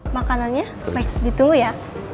makanannya baik ditunggu ya